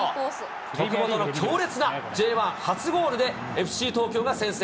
徳元の強烈なＪ１発ゴールで、ＦＣ東京が先制。